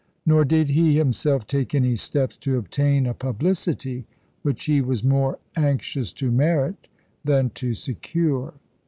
Nor did he himself take any steps to obtain a publicity which he was more anxious to merit than to secure.